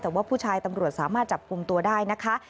แต่ว่าผู้ชายตำรวจสามารถจับกลุ่มตัวได้นะคะ